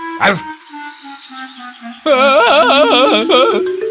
aku sudah menggigit